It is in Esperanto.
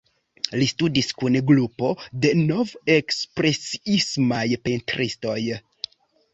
Li studis kun grupo de nov-ekspresiismaj pentristoj.